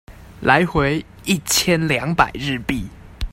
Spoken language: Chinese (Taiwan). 來回一千兩百日幣